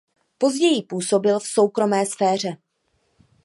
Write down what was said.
Později působil v soukromé sféře.